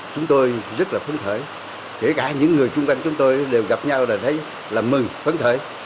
chúng tôi rất là phấn khởi kể cả những người chung quanh chúng tôi đều gặp nhau là thấy là mừng phấn khởi